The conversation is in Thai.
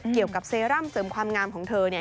เกี่ยวกับเซรั่มเสริมความงามของเธอเนี่ย